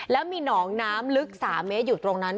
แล้วมีหนองน้ำลึก๓เมตรอยู่ตรงนั้น